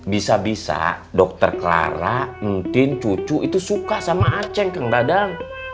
bisa bisa dokter clara mtin cucu itu suka sama acing kang dadang